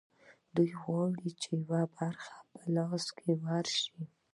دوی غواړي چې یوه برخه یې په لاس ورشي